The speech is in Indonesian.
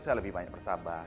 saya lebih banyak bersabar